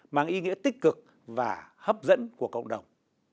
mang ý nghĩa tích cực và hấp dẫn của cộng đồng